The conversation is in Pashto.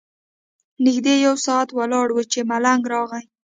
نږدې یو ساعت ولاړ وو چې ملنګ راغی.